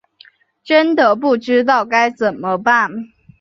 真的不知道该怎么办